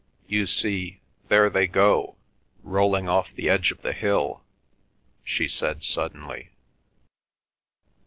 "You see, there they go, rolling off the edge of the hill," she said suddenly.